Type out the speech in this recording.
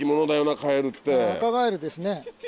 アカガエルですね。